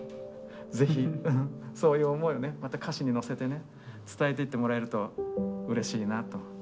ぜひそういう思いをまた歌詞にのせて伝えていってもらえるとうれしいなと思ってます。